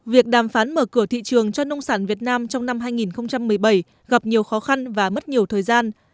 việc đàm phán mở cửa thị trường cho nông sản việt nam trong năm hai nghìn một mươi bảy gặp nhiều khó khăn và mất nhiều thời gian